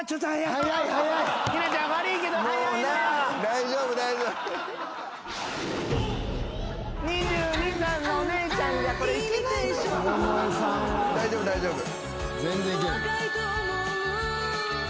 大丈夫大丈夫。